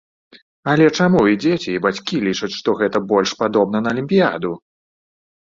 Але чаму і дзеці, і бацькі лічаць, што гэта больш падобна на алімпіяду?